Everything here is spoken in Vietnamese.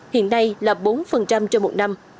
hiện nay là bốn trên một năm